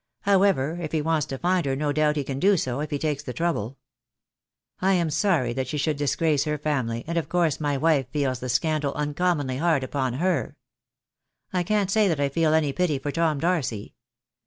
However, if he wants to find her no doubt he can do so, if he takes the trouble. I am sorry she should disgrace her family, and of course my wife feels the scandal uncommonly hard upon her. I can't say that I feel any pity for Tom Darcy.